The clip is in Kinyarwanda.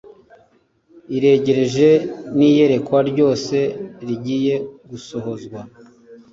iregereje l n iyerekwa ryose rigiye gusohozwa